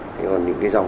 còn những cái dòng